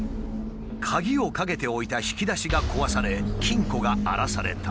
鍵をかけておいた引き出しが壊され金庫が荒らされた。